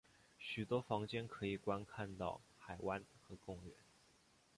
许多房间可以观看到海湾和公园。